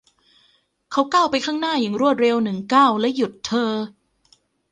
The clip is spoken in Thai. เขาก้าวไปข้างหน้าอย่างรวดเร็วหนึ่งก้าวและหยุดเธอ